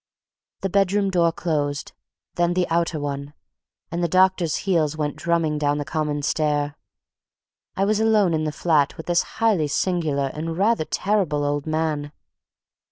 The bedroom door closed, then the outer one, and the doctor's heels went drumming down the common stair. I was alone in the flat with this highly singular and rather terrible old man.